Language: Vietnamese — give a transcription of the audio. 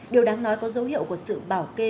điều đáng nói có dấu hiệu của sự bảo kê